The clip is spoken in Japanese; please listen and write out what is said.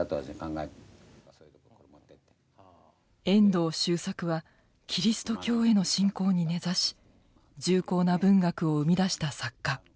遠藤周作はキリスト教への信仰に根ざし重厚な文学を生み出した作家。